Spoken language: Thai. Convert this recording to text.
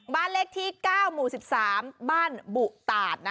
บ้านเลขที่๙๑๓บ้านบุตาด